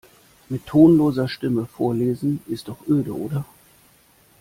Mit tonloser Stimme vorlesen ist doch öde, oder?